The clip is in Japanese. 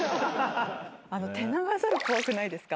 テナガザル怖くないですか？